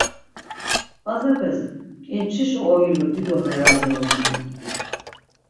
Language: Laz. Bazepes ǩinçiş oilu dido meraği uğunan.